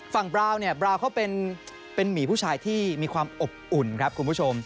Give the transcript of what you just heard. บราวเนี่ยบราวเขาเป็นหมีผู้ชายที่มีความอบอุ่นครับคุณผู้ชม